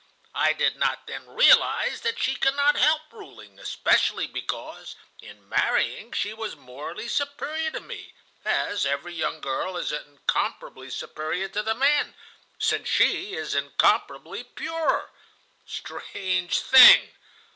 I did not then realize that she could not help ruling, especially because, in marrying, she was morally superior to me, as every young girl is incomparably superior to the man, since she is incomparably purer. Strange thing!